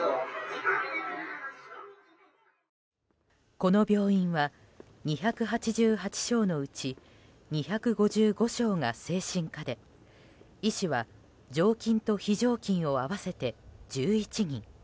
この病院は２８８床のうち２５５床が精神科で医師は常勤と非常勤を合わせて１１人。